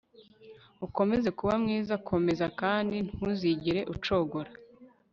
ukomeze kuba mwiza komeza kandi ntuzigere ucogora